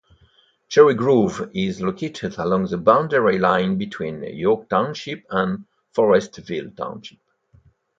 Cherry Grove is located along the boundary line between York Township and Forestville Township.